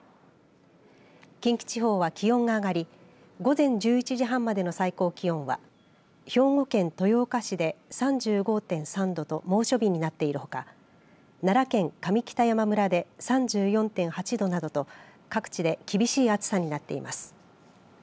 近畿地方は気温が上がり午前１１時半までの最高気温は兵庫県豊岡市で３５．３度と猛暑日になっているほか奈良県上北山村で３４．８度などと各地で厳しい暑さになっています。